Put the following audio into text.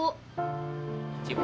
duit baju baru